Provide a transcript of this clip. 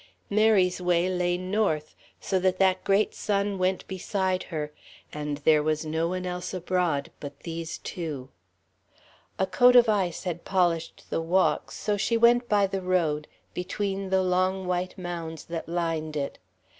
Mary's way lay north, so that that great sun went beside her, and there was no one else abroad but these two. A coat of ice had polished the walks, so she went by the road, between the long white mounds that lined it.